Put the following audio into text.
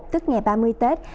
tức ngày ba mươi tết